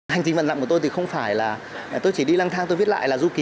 hành trình vận lậm của tôi thì không phải là tôi chỉ đi lang thang tôi viết lại là du ký